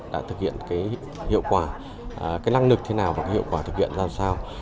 đã thực hiện hiệu quả năng lực thế nào và hiệu quả thực hiện ra sao